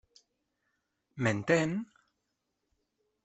M'entén?